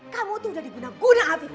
kamu tuh udah diguna guna afif